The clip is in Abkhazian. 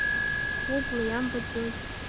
Убла иамбаӡои?!